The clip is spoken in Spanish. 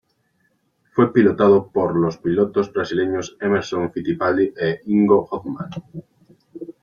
Fue pilotado por los pilotos brasileños Emerson Fittipaldi e Ingo Hoffmann.